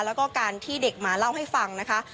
แล้วก็การที่เด็กมาเล่าให้ฟังนะคะ